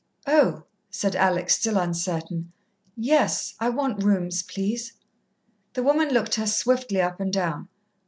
"Oh," said Alex, still uncertain. "Yes, I want rooms, please." The woman looked her swiftly up and down.